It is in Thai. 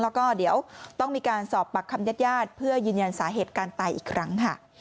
แล้วก็เดี๋ยวต้องมีการสอบปากคำญาติญาติเพื่อยืนยันสาเหตุการตายอีกครั้งค่ะ